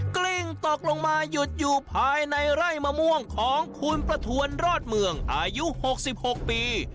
กลิ้งตกลงมาหยุดอยู่ภายในไร่มะม่วงของคุณประทวนรอดเมืองอายุ๖๖ปี